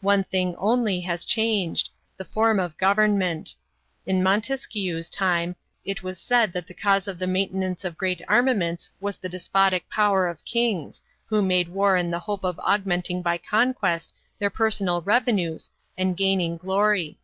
One thing only has changed the form of government. In Montesquieu's time it was said that the cause of the maintenance of great armaments was the despotic power of kings, who made war in the hope of augmenting by conquest their personal revenues and gaining glory.